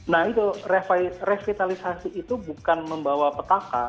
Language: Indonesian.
nah itu revitalisasi itu bukan membawa petaka